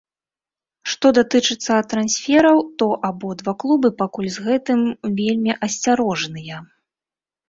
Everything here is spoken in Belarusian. Што датычыцца трансфераў, то абодва клубы пакуль з гэтым вельмі асцярожныя.